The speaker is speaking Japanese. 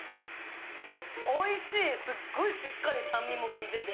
おいしい、すごいしっかり酸味も効いてて。